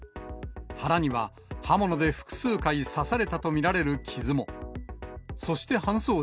腹には刃物で複数回刺されたと見られる傷も。